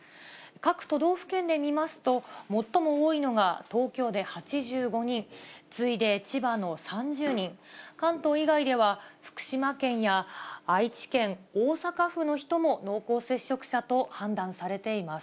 各都道府県で見ますと、最も多いのが東京で８５人、次いで千葉の３０人、関東以外では福島県や愛知県、大阪府の人も濃厚接触者と判断されています。